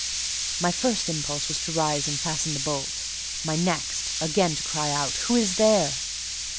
My first impulse was to rise and fasten the bolt; my next, again to cry out, "Who is there?"